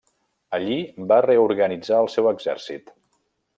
Allí va reorganitzar al seu exèrcit.